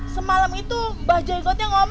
semalam itu mba jengotnya ngomong